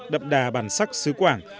đậm đà bản sắc sứ quảng